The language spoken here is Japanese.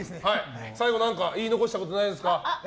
最後言い残したことないですか。